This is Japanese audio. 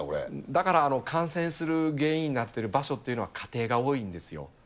だから感染する原因になっている場所というのは、家庭が多いんですよ。